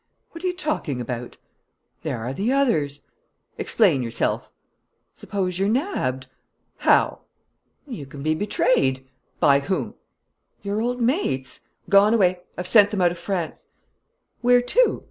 "What are you talking about?" "There are the others." "Explain yourself." "Suppose you're nabbed?" "How?" "You can be betrayed." "By whom?" "Your old mates." "Gone away. I've sent them out of France." "Where to?"